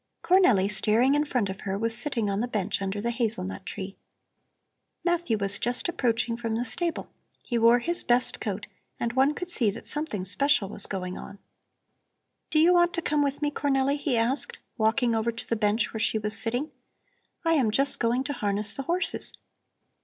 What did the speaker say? Cornelli, staring in front of her, was sitting on the bench under the hazel nut tree. Matthew was just approaching from the stable; he wore his best coat, and one could see that something special was going on. "Do you want to come with me, Cornelli?" he asked, walking over to the bench where she was sitting. "I am just going to harness the horses.